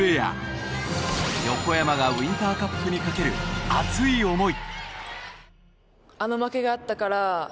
横山がウインターカップにかける熱い思い。